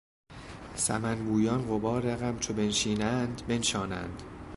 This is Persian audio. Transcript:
سمن بویان غبار غم چو بنشینند بنشانند